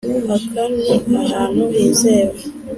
aka ni ahantu hizewe?